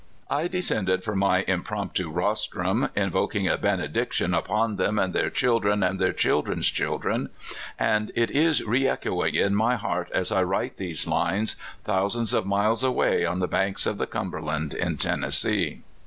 I descended from my impromptu rostrum, invoking a benedic tion upon them and their children, and their chil dren's children, and it is reechoed in my heart as I write these lines, thousands of miles away on the banks of the Cumberland in Tennessee.